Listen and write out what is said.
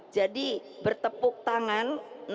jadi bertepuk tangan